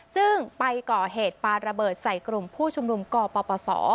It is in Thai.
ซึ่งไปก่อเหตุปลาระเบิดใส่กลุ่มผู้ชุมนุมกปศ